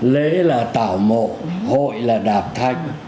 lễ là tảo mộ hội là đạp thanh